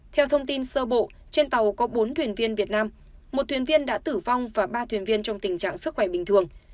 theo thông tin sơ bộ trên tàu có bốn thuyền viên việt nam một thuyền viên đã tử vong và ba thuyền viên trong tình trạng sức khỏe bình thường